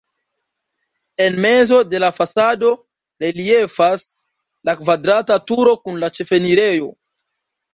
En mezo de la fasado reliefas la kvadrata turo kun la ĉefenirejo.